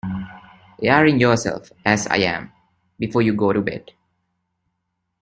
Airing yourself, as I am, before you go to bed?